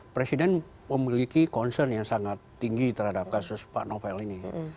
presiden memiliki concern yang sangat tinggi terhadap kasus pak novel ini